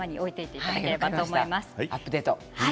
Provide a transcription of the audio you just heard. アップデート。